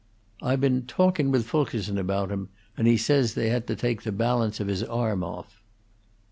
"I been talkin' with Fulkerson about him, and he says they had to take the balance of his arm off."